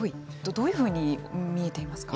どういうふうに見えていますか。